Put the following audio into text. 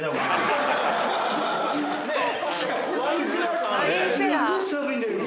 すっごい寒いんだけど。